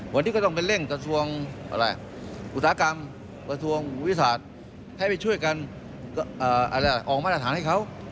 วันนี้ก็ต้องเป็นเร่งจัดส่วนอุตสาหกรรมจัดส่วนวิทยาศาสตร์ให้ไปช่วยกันออกมาตรฐานให้เขา